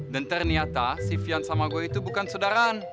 dan ternyata si pian sama gua itu bukan saudara